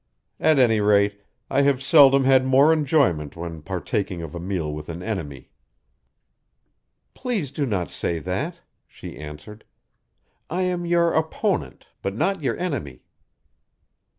At any rate, I have seldom had more enjoyment when partaking of a meal with an enemy." "Please do not say that," she answered. "I am your opponent, but not your enemy."